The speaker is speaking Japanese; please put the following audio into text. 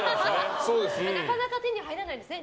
なかなか手に入らないですね。